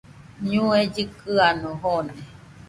ñue llɨkɨano joone